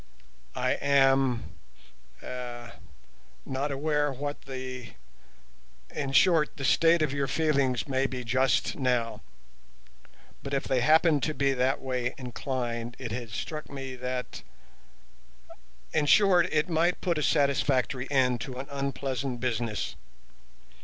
I am—eh—not aware what the—in short, the state of your feelings may be just now; but if they happened to be that way inclined, it has struck me that—in short, it might put a satisfactory end to an unpleasant business.